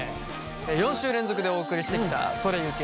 ４週連続でお送りしてきた「それゆけ！